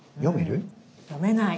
読めない。